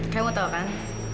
kalian mau tau kan